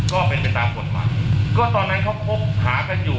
ก็เป็นไปตามกฎหมายก็ตอนนั้นเขาคบหากันอยู่